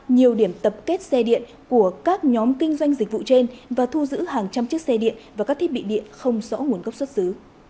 nhiều điểm tập kết xe điện của các nhóm kinh doanh dịch vụ trên và thu giữ hàng trăm chiếc xe điện và các thiết bị điện không rõ nguồn gốc xuất xứ